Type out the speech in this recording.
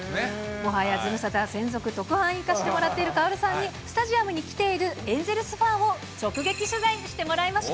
もはやズムサタ専属特派員化してもらってるカオルさんに、スタジアムに来ているエンゼルスファンを直撃取材してもらいました。